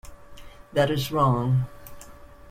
That is wrong.